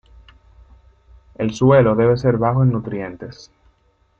El suelo debe ser bajo en nutrientes.